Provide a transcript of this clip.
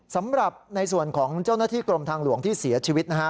สำหรับในส่วนของเจ้าหน้าที่กรมทางหลวงที่เสียชีวิตนะฮะ